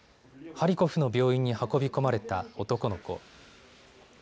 ハリコフの病院に運び込まれた男の子。